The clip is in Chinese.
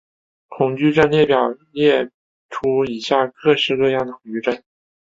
恐惧症列表列出以下各式各样的恐惧症。